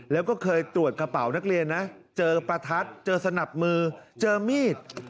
แล้วก็เคยตรวจกระเป๋านักเรียนนะเจอประทัดเจอสนับมือเจอมีด